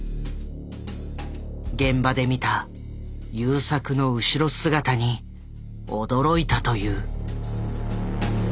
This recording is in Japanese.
現場で見た優作の後ろ姿に驚いたという。